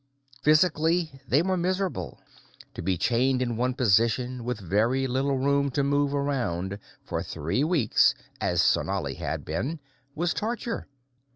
Physically, they were miserable. To be chained in one position, with very little room to move around, for three weeks, as Sonali had been, was torture.